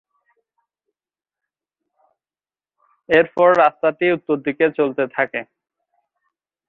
এরপর রাস্তাটি উত্তরদিকে চলতে থাকে।